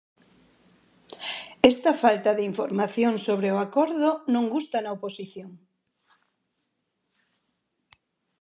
Esta falta de información sobre o acordo non gusta na oposición.